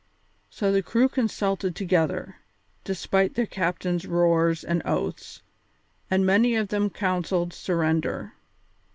So the crew consulted together, despite their captain's roars and oaths, and many of them counselled surrender.